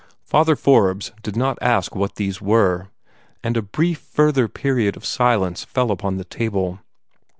Father Forbes did not ask what these were, and a brief further period of silence fell upon the table.